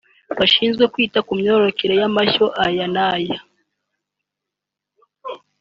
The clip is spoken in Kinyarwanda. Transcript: bashinzwe kwita ku myororokere y’amashyo aya n’aya